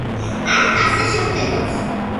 ან ასე შევხედოთ.